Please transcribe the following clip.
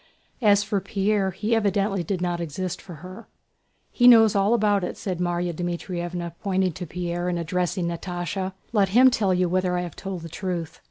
As for Pierre, he evidently did not exist for her. "He knows all about it," said Márya Dmítrievna pointing to Pierre and addressing Natásha. "Let him tell you whether I have told the truth."